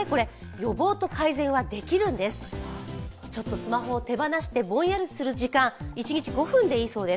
スマホを手放して、ぼんやりする時間、一日５分でいいそうです。